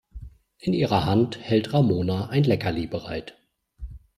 In ihrer Hand hält Ramona ein Leckerli bereit.